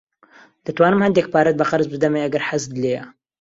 دەتوانم هەندێک پارەت بە قەرز بدەمێ ئەگەر حەزت لێیە.